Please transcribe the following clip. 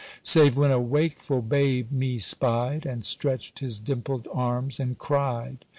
Save when a wakeful babe me spied, And stretched his dimpled arms and cried.